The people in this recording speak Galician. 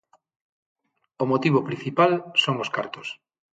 O motivo principal son os cartos.